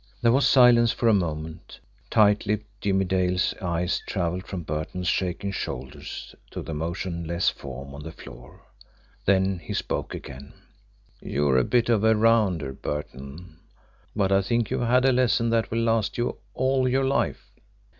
There was silence for a moment. Tight lipped, Jimmie Dale's eyes travelled from Burton's shaking shoulders to the motionless form on the floor. Then he spoke again: "You're a bit of a rounder, Burton, but I think you've had a lesson that will last you all your life.